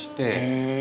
へえ。